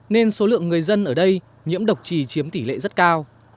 nên số lượng người dân ở đây nhiễm độc trì chiếm tỷ lệ rất cao